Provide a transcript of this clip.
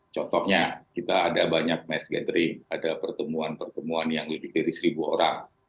contohnya kita ada banyak mass gathering ada pertemuan pertemuan yang lebih dari seribu orang